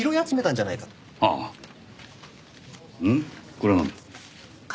これはなんだ？